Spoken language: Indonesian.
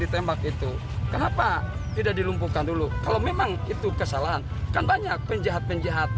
ditembak itu kenapa tidak dilumpuhkan dulu kalau memang itu kesalahan kan banyak penjahat penjahat